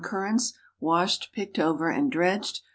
currants—washed, picked over, and dredged.